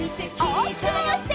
おおきくまわして。